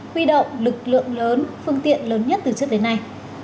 huy động lực lượng lớn phương tiện lớn nhất từ trước đến nay